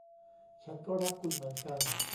ฉันก็รักคุณเหมือนกัน